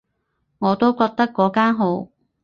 我都覺得嗰間好